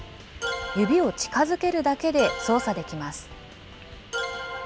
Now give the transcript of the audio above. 指を近づけるだけで操作できます。